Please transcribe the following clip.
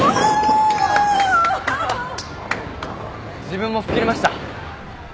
自分も吹っ切れました。